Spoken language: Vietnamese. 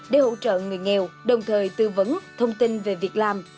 để hỗ trợ người nghèo đồng thời tư vấn thông tin về việc làm